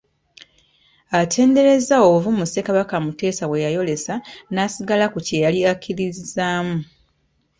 Atenderezza obuvumu Ssekabaka Muteesa bwe yayolesa n’asigala ku kye yali akkirizizaamu.